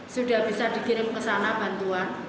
sudah bisa dikirim kesana bantuan